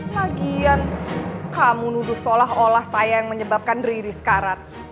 lagian kamu nuduh seolah olah saya yang menyebabkan riri sekarat